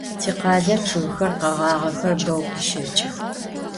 Tikhale ççıgxer, kheğağxer beu khışeç'ıx.